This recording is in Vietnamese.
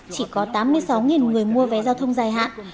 chỉ có tám mươi sáu người mua vé giao thông dài hạn